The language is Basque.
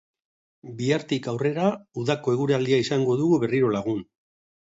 Bihartik aurrera, udako eguraldia izango dugu berriro lagun.